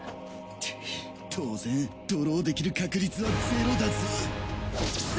くっ当然ドローできる確率はゼロだぞう。